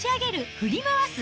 振り回す！